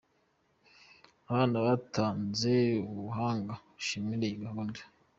Abana batanze ubuhamya bashimira iyi gahunda.